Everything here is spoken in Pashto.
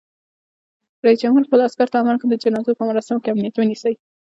رئیس جمهور خپلو عسکرو ته امر وکړ؛ د جنازو په مراسمو کې امنیت ونیسئ!